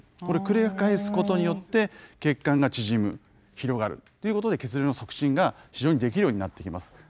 これを繰り返すことによって血管が縮む広がるということで血流の促進が非常にできるようになってきます。